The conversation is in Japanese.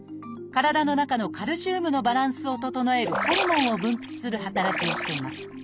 体の中のカルシウムのバランスを整えるホルモンを分泌する働きをしています。